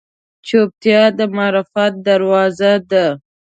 چوپتیا، د معرفت دروازه ده.